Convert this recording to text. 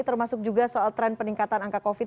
termasuk juga soal tren peningkatan angka covid sembilan belas